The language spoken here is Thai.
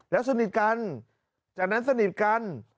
แล้วสนิทกันจากนั้นสนิทกัน